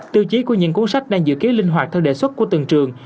tiêu chí của những cuốn sách đang dự kiến linh hoạt theo đề xuất của từng trường